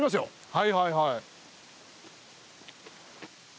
はいはいはい。